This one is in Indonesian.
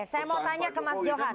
saya mau tanya ke mas johan